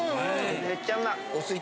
めっちゃうまい。